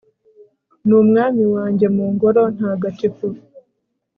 n'umwami wanjye, mu ngoro ntagatifu